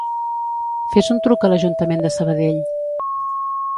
Fes un truc a l'Ajuntament de Sabadell.